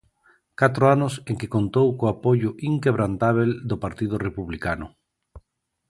Catro anos en que contou co apoio inquebrantábel do Partido Republicano.